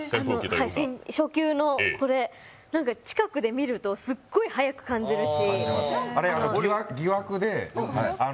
初級のこれ、なんか近くで見るとすっごい速く感じるし。